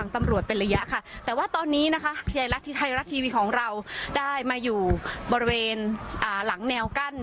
ในรถทีวีของเราได้มาอยู่บริเวณอ่าหลังแนวกั้น